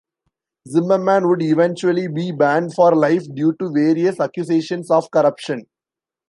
Zimmerman would eventually be banned for life due to various accusations of corruption.